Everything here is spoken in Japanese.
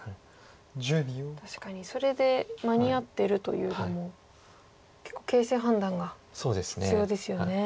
確かにそれで間に合ってるというのも結構形勢判断が必要ですよね。